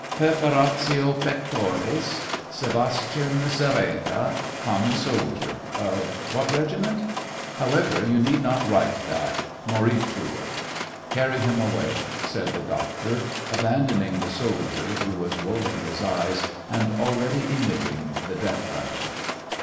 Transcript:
.."" Pei'foratio pectoris ... Sevastyan Sereda, com mon soldier ... of what regiment ? however, you need not write that : moriUir. Carry him away," said the doctor, abandoning the soldier, who was rolling his eyes, and already emitting the death rattle.